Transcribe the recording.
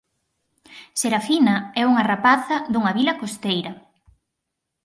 Serafina é unha rapaza dunha vila costeira.